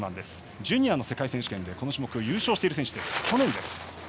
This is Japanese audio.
去年のジュニアの世界選手権でこの種目で優勝している選手です。